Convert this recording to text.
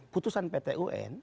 putusan pt un